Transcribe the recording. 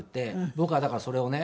僕はだからそれをね